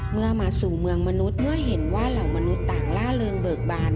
เมื่อมาสู่เมืองมนุษย์เมื่อเห็นว่าเหล่ามนุษย์ต่างล่าเริงเบิกบาน